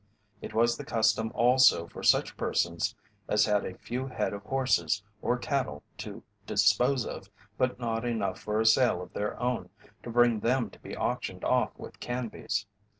It was the custom also for such persons as had a few head of horses or cattle to dispose of, but not enough for a sale of their own, to bring them to be auctioned off with Canby's.